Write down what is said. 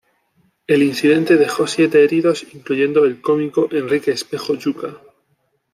El incidente dejó siete heridos incluyendo el cómico Enrique Espejo "Yuca".